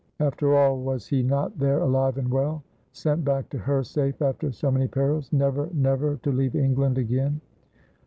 After all was he not there alive and well, sent back to her safe after so many perils, never, never to leave England again!